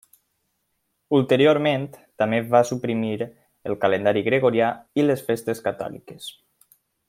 Ulteriorment, també va suprimir el calendari gregorià i les festes catòliques.